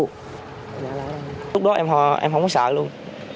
lúc đó em không có sợ luôn